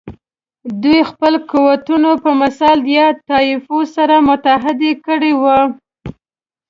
دوی خپل قوتونه په مثل یا طایفو سره متحد کړي وو.